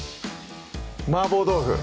麻婆豆腐！